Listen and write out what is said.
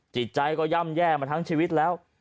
จิตใจก็ย่ำแย่มาทั้งชีวิตแล้ว